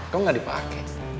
kok gak dipake